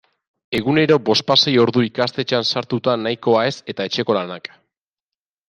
Egunero bospasei ordu ikastetxean sartuta nahikoa ez eta etxeko lanak.